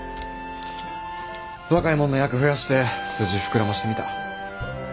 若いもんの役増やして筋膨らましてみた。